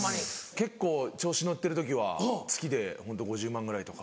結構調子乗ってる時は月でホント５０万円ぐらいとか。